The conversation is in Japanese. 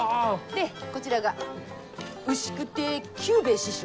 でこちらが牛久亭九兵衛師匠。